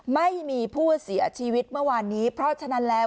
ไม่มีผู้เสียชีวิตเมื่อวานนี้เพราะฉะนั้นแล้ว